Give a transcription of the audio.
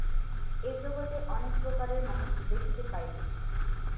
এ জগতে অনেক প্রকারের মানুষ দেখিতে পাইবে।